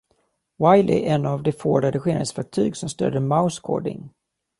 Wily är en av de få redigeringsverktyg som stöder mouse chording.